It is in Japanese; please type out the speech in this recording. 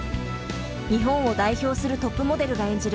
日本を代表するトップモデルが演じる